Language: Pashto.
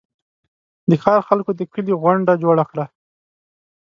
د ښار خلکو د کلي غونډه جوړه کړه.